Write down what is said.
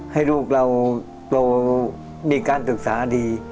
ให้ลูกเราโตมีการศึกษาดี